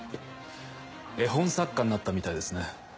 絵本作家になったみたいですね。